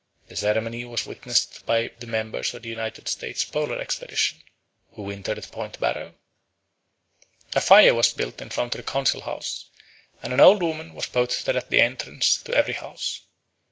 The ceremony was witnessed by the members of the United States Polar Expedition, who wintered at Point Barrow. A fire was built in front of the council house, and an old woman was posted at the entrance to every house.